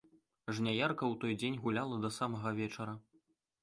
Жняярка ў той дзень гуляла да самага вечара.